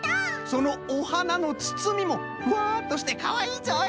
そのおはなのつつみもふわっとしてかわいいぞい。